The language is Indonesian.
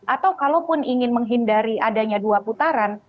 atau kalau pun ingin menghindari adanya dua putaran